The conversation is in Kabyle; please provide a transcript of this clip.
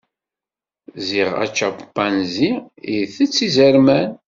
Ziɣ acampanzi itett izerman.